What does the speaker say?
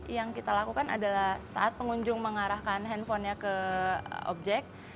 yang kita lakukan adalah saat pengunjung mengarahkan handphonenya ke objek